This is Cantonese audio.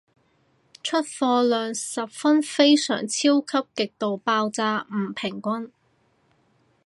出貨量十分非常超級極度爆炸唔平均